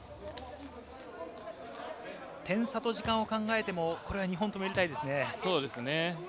点差と時間を考えても、これは２本とも入れたいですね。